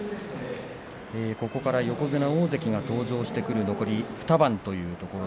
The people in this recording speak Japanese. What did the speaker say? ここから横綱大関が登場してくる残り２番。